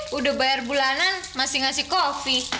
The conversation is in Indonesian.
ih udah bayar bulanan masih ngasih coffee